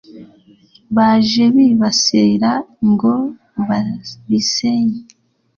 baje bibasira ngo babisenye